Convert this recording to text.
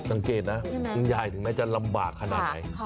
สังเกตนะคุณยายถึงแม้จะลำบากขนาดไหน